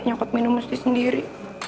nyokot minumnya sendiri